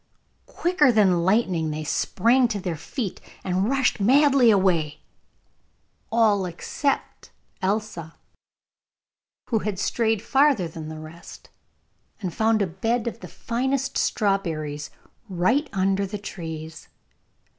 Quicker than lightning they sprang to their feet, and rushed madly away, all except Elsa, who had strayed farther than the rest, and had found a bed of the finest strawberries right under the trees.